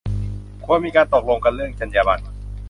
ควรมีการตกลงกันเรื่องจรรยาบรรณ